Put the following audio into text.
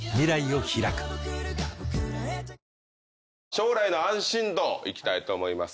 将来の安心度いきたいと思います